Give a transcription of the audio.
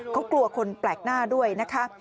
เขากลัวคนแปลกหน้าด้วยนะคะ